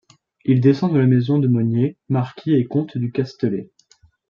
Il descend de la Maison de Monier, marquis et comtes du Castellet.